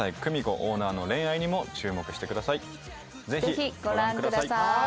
ぜひご覧ください。